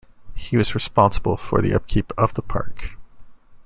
He was responsible for the upkeep of the park.